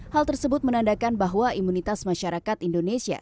hal tersebut menandakan bahwa imunitas masyarakat indonesia